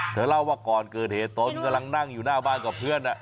เธอเล่าว่าก่อนเกิดเหตุตนกำลังนั่งอยู่หน้าบ้านกับเพื่อน